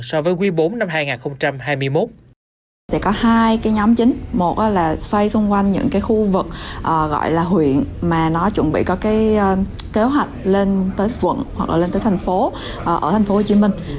so với quý iv năm hai nghìn hai mươi một